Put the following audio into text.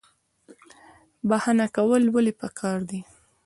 بخښنه کول ولې پکار دي؟